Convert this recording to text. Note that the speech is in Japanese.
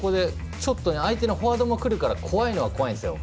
相手のフォワードもくるから怖いのは怖いんですよ。